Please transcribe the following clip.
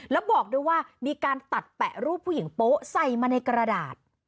แล้วบอกด้วยว่ามีการตัดแปะรูปผู้หญิงโป๊ะใส่มาในกระดาษ